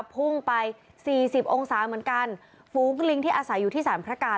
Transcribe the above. หุ้งไป๔๐องศาเหมือนกันฟุ้งลิงที่อาศัยอยู่ที่สารพระกาล